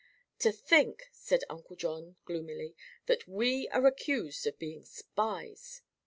"To think," said Uncle John gloomily, "that we are accused of being spies!"